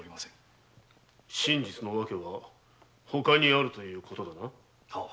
真実の理由はほかにあるということだな。